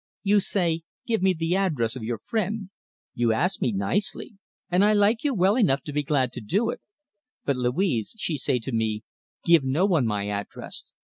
You say, 'Give me the address of your friend,' You ask me nicely, and I like you well enough to be glad to do it. But Louise she say to me, 'Give no one my address!